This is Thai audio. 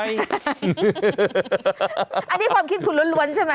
อันนี้ความคิดคุณล้วนใช่ไหม